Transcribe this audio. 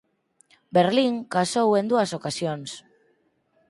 Berlin casou en dúas ocasións.